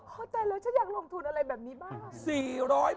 เข้าใจแล้วฉันอยากลงทุนอะไรแบบนี้บ้าง